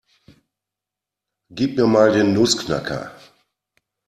Gib mir mal den Nussknacker.